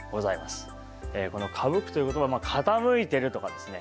この「傾く」という言葉傾いてるとかですね